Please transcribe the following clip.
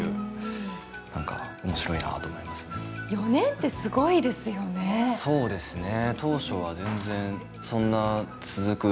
４年ってすごいですよね。